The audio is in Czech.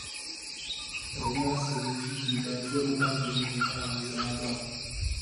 Rovná se využití Belzebuba k vymítání ďábla.